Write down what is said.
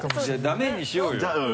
ダメにしようよ。